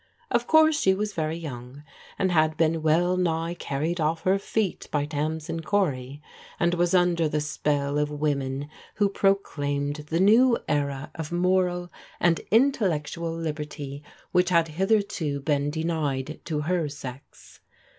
Of course she was very young, and had been well nigh carried oflf her feet by Tamsin Cory, and was under the spell of women who proclaimed the new era of moral and intellectual liberty which had hitherto been denied to her sex.